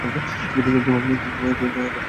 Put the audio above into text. তুমি ওর সাথে নাচবে।